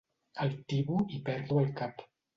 El tibo i perdo el cap.